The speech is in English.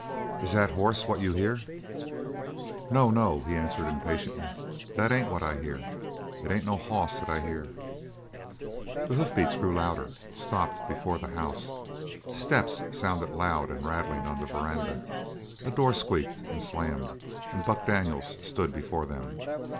"Is that horse what you hear?" "No, no!" he answered impatiently. "That ain't what I hear. It ain't no hoss that I hear!" The hoof beats grew louder stopped before the house steps sounded loud and rattling on the veranda a door squeaked and slammed and Buck Daniels stood before them.